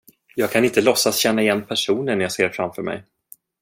Jag kan inte låtsas känna igen personen jag ser framför mig.